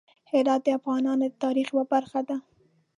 هرات د افغانانو د تاریخ یوه برخه ده.